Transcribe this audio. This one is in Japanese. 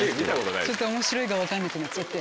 ちょっと「おもしろい」が分かんなくなっちゃって。